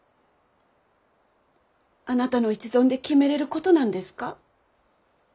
あなたの一存で決めれることなんですか？